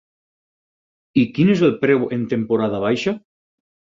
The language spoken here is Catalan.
I quin és el preu en temporada baixa?